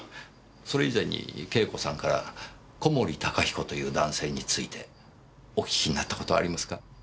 それ以前に慶子さんから小森高彦という男性についてお聞きになった事はありますか？